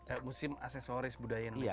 eh museum aksesoris budaya indonesia